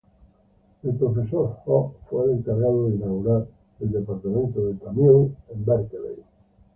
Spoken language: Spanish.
El Profesor Hart fue el encargado de inaugurar el Departamento de Tamil en Berkeley.